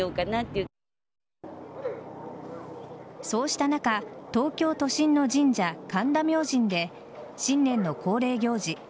そうした中東京都心の神社、神田明神で新年の恒例行事